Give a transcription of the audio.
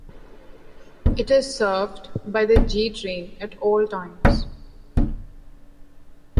It is served by the G train at all times.